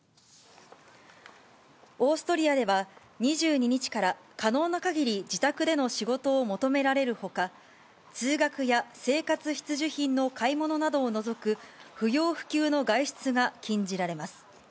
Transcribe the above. オーストリアでは、２２日から、可能なかぎり自宅での仕事を求められるほか、通学や生活必需品の買い物などを除く不要不急の外出が禁じられます。